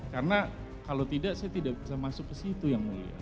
karena kalau tidak saya tidak bisa masuk ke situ yang mulia